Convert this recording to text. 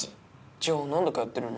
じゃあ何で通ってるの？